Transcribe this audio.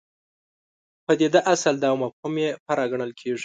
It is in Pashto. پدیده اصل ده او مفهوم یې فرع ګڼل کېږي.